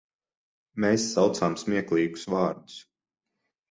Mēs saucām smieklīgus vārdus.